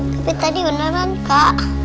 tapi tadi beneran kak